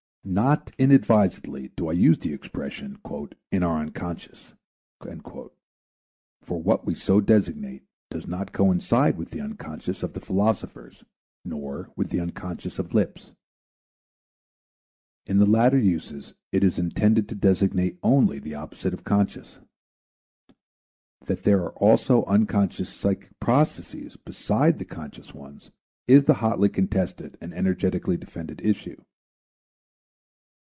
Not inadvisedly do I use the expression "in our unconscious," for what we so designate does not coincide with the unconscious of the philosophers, nor with the unconscious of Lipps. In the latter uses it is intended to designate only the opposite of conscious. That there are also unconscious psychic processes beside the conscious ones is the hotly contested and energetically defended issue.